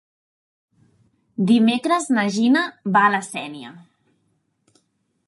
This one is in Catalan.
Dimecres na Gina va a la Sénia.